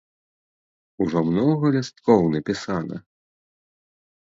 Ужо многа лісткоў напісана.